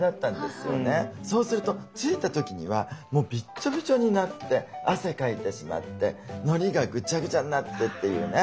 そうすると着いた時にはもうびっちょびちょになって汗かいてしまってのりがぐちゃぐちゃになってっていうね。